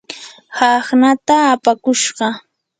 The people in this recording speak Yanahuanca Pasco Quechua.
hawnaata apakushqa.